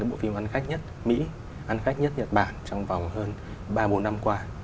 các bộ phim ăn khách nhất mỹ ăn khách nhất nhật bản trong vòng hơn ba bốn năm qua